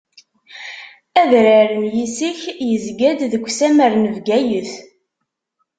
Adrar n Yisek yezga-d deg usammar n Bgayet.